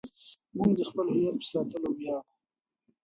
موږ د خپل هویت په ساتلو ویاړو.